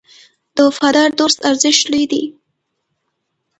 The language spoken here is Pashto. د وفادار دوست ارزښت لوی دی.